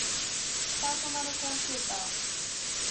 パーソナルコンピューター